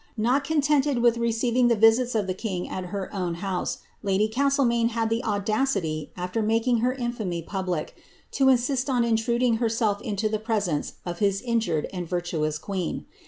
Not contented with receiving the visits of the king at her own house, lady Castlemaine had the auda city, af\er making her infamy public, to insist on intruding herself into the presence of liis injured and virtuous queen.